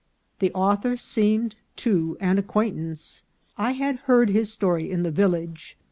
The author seemed, too, an acquaintance. I had heard his story in the village.